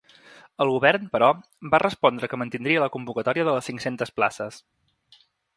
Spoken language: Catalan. El govern, però, va respondre que mantindria la convocatòria de les cinc-centes places.